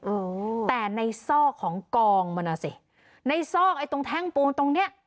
เออแต่ในซอกของกองมันอ่ะสิในซอกไอ้ตรงแท่งปูนตรงเนี้ย